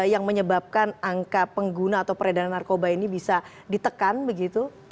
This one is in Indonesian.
yang menyebabkan angka pengguna atau peredaran narkoba ini bisa ditekan begitu